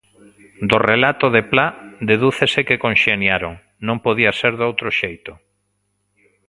Do relato de Pla, dedúcese que conxeniaron, non podía ser doutro xeito.